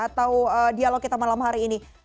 atau dialog kita malam hari ini